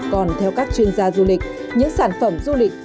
còn theo các chuyên gia du lịch những sản phẩm du lịch